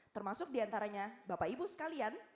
termasuk diantaranya bapak ibu sekalian